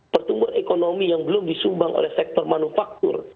pertumbuhan ekonomi yang belum disumbang oleh sektor manufaktur